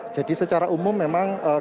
jadi secara umum memang kita khususkan